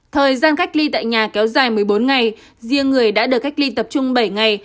thời gian cách ly tại nhà kéo dài một mươi bốn ngày riêng người đã được cách ly tập trung bảy ngày